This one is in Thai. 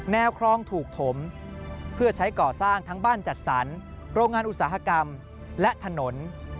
คลองถูกถมเพื่อใช้ก่อสร้างทั้งบ้านจัดสรรโรงงานอุตสาหกรรมและถนน